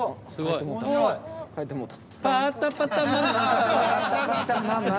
帰ってもうた。